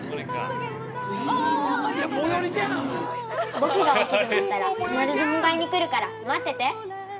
◆僕が大きくなったら、必ず迎えに来るから、待ってて。